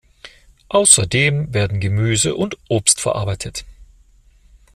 Außerdem werden Gemüse und Obst verarbeitet.